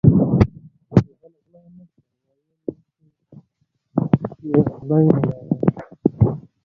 په غل غلا نشوه ویل یی چې ی خدای نه ډاریږم